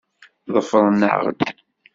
Ḍefṛem-aɣ-d!